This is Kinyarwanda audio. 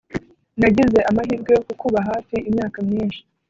nagize amahirwe yo kukuba hafi imyaka myinshi